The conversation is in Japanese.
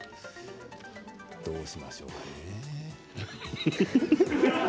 どうしましょうかね。